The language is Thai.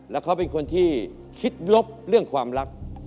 แล้วเขาเป็นคนที่คิดลบเรื่องความรัก